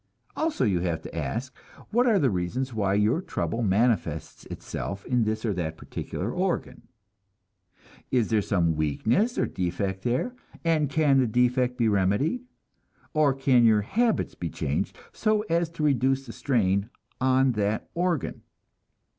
Also you have to ask, what are the reasons why your trouble manifests itself in this or that particular organ? Is there some weakness or defect there, and can the defect be remedied, or can your habits be changed so as to reduce the strain on that organ?